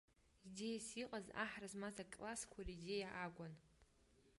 Идеиас иҟаз аҳра змаз аклассқәа ридеиа акәын.